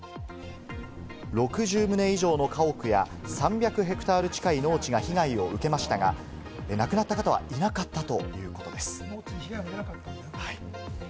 ６０棟以上の家屋や３００ヘクタール近い農地が被害を受けましたが、亡くなった方はいなかったということです。